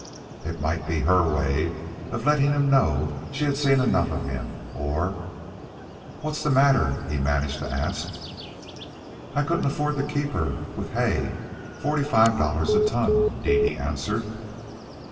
It might be her way of letting him know she had seen enough of him. Or... "What's the matter?" he managed to ask. "I couldn't afford to keep her with hay forty five dollars a ton," Dede answered.